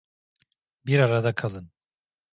Bir arada kalın!